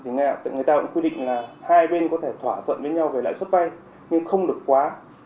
người ta cũng quy định là hai bên có thể thỏa thuận với nhau về lãi suất vay nhưng không được quá hai mươi